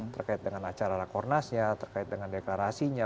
terkait dengan acara rakornas nya terkait dengan deklarasinya